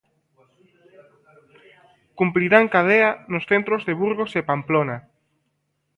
Cumprirán cadea nos centros de Burgos e Pamplona.